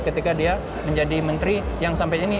ketika dia menjadi menteri yang sampai ini